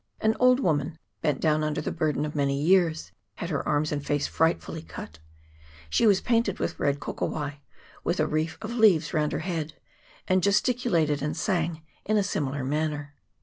An old woman, bent down under the burden of many years, had her arms and face frightfully cut ; CHAP. III.] TO THE WOUNDED. 103 she was painted with red kokowai, with a wreath of leaves round her head, and gesticulated and sang in a similar manner.